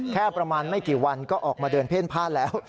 แค่ประมาณไม่กี่วันก็ออกมาเดินเพ่นผ้าแล้ว